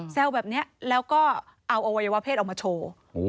แซวแบบนี้แล้วก็เอาอวัยวะเพศออกมาโชว์